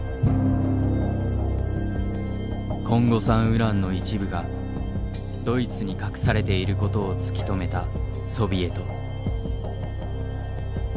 コンゴ産ウランの一部がドイツに隠されていることを突き止めたソビエト。